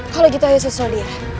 kalau begitu ayo sesuai ya